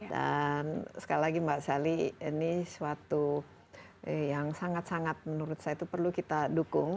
dan sekali lagi mbak sally ini suatu yang sangat sangat menurut saya perlu kita dukung